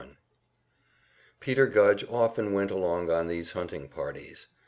Section 81 Peter Gudge often went along on these hunting parties.